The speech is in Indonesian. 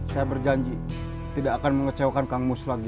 saya berjanji tidak akan mengecewakan kang mus lagi